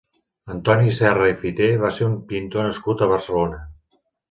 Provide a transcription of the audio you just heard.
Antoni Serra i Fiter va ser un pintor nascut a Barcelona.